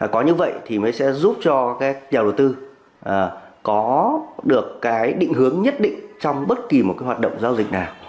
có như vậy thì mới sẽ giúp cho các nhà đầu tư có được cái định hướng nhất định trong bất kỳ một cái hoạt động giao dịch nào